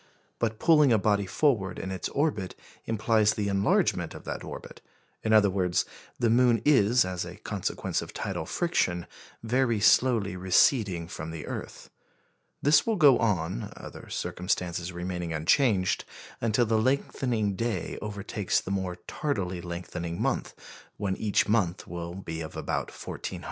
But pulling a body forward in its orbit implies the enlargement of that orbit; in other words, the moon is, as a consequence of tidal friction, very slowly receding from the earth. This will go on (other circumstances remaining unchanged) until the lengthening day overtakes the more tardily lengthening month, when each will be of about 1,400 hours.